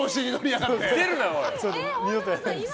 二度とやらないです。